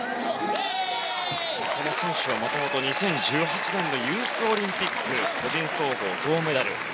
この選手はもともと２０１８年のユースオリンピックの個人総合で銅メダル。